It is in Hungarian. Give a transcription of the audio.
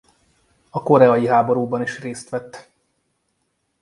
A koreai háborúban is részt vett.